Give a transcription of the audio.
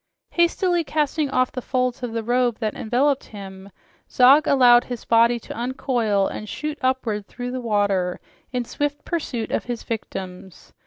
Hastily casting off the folds of the robe that enveloped him, Zog allowed his body to uncoil and shoot upward through the water in swift pursuit of his victims.